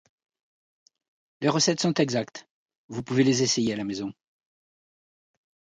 Les recettes sont exactes, vous pouvez les essayer à la maison.